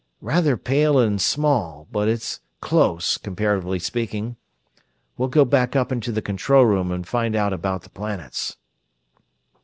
Rather pale and small; but it's close, comparatively speaking. We'll go back up into the control room and find out about the planets."